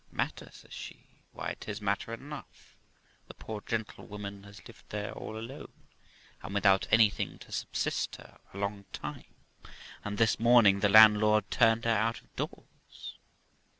' Matter !' says she, ' why, it is matter enough : the poor gentlewoman has lived there all alone, and without anything to subsist her a long time, and this morning the landlord turned her out of doors.'